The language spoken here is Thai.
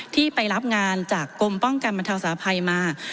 ที่ไปรับงานจากกรมป้องกันบรรเทาสาภัยมา